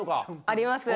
あります。